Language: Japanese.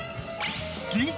好き？